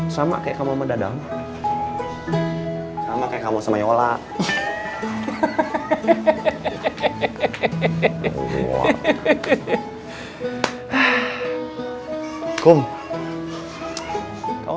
sampai jumpa di video selanjutnya